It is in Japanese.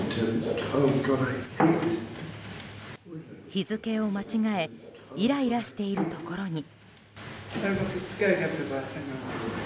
日付を間違えイライラしているところに。